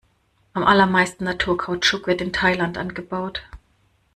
Am allermeisten Naturkautschuk wird in Thailand angebaut.